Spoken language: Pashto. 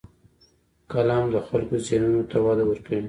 قلم د خلکو ذهنونو ته وده ورکوي